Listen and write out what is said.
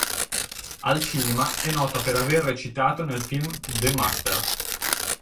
Al cinema, è nota per aver recitato nel film "The Master".